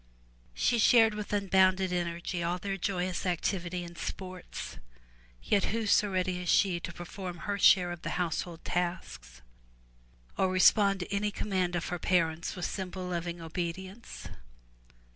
She shared with unbounded energy all their joyous activity and sports, yet who so ready as she to perform her share of the household tasks or respond to any command of her parents with simple loving obe dience?